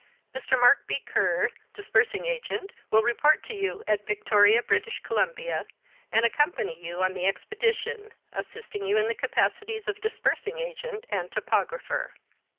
Mr. Mark B. Kerr, Disbursing Agent, will report to you at Vic toria, B. C, and accompany you on the expedition, assisting you in the capacities of Disbursing Agent and Topographer.